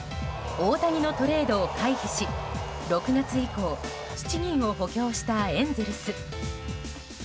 大谷のトレードを回避し６月以降、７人を補強したエンゼルス。